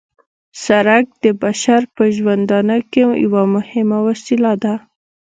سرک د بشر په ژوندانه کې یوه مهمه وسیله ده